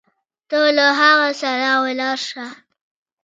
ته له هغه سره ولاړه شه.